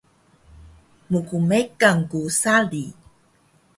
Mkmekan ku sari